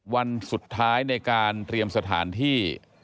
วันสุดท้ายในการเตรียมสถานที่